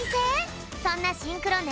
そんなシンクロね